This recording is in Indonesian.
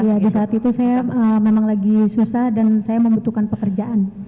iya di saat itu saya memang lagi susah dan saya membutuhkan pekerjaan